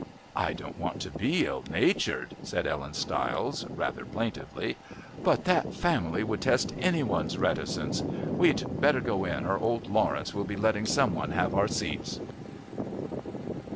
"I don't want to be ill natured," said Ellen Stiles rather plaintively, "but that family would test anybody's reticence. We'd better go in or old Lawrence will be letting some one have our seats."